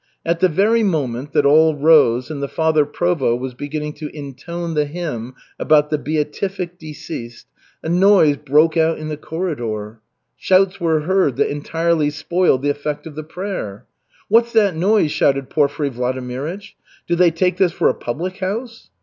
At the very moment that all rose and the Father Provost was beginning to intone the hymn about "the beatific deceased," a noise broke out in the corridor. Shouts were heard that entirely spoiled the effect of the prayer. "What's that noise?" shouted Porfiry Vladimirych. "Do they take this for a public house?"